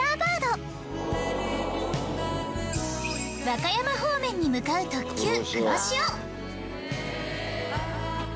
和歌山方面に向かう特急くろしお。